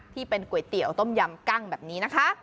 ที่เป็นก๋วยเตี๋ยวต้มยำกั้งแบบนี้นะคะ